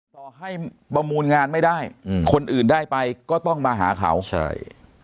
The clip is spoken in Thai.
ต่อให้ประมูลงานไม่ได้อืมคนอื่นได้ไปก็ต้องมาหาเขาใช่